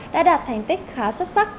đã đạt thành tích khá xuất sắc